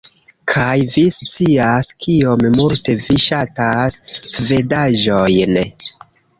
- Kaj vi scias kiom multe vi ŝatas svedaĵojn